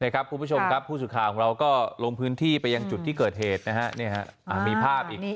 คุณผู้ชมครับผู้สื่อข่าวของเราก็ลงพื้นที่ไปยังจุดที่เกิดเหตุมีภาพอีก